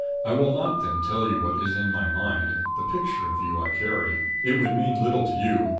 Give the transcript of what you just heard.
I will not, then, tell you what is in my mind the picture of you I carry. It would mean little to you.